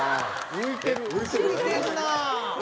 浮いてるな。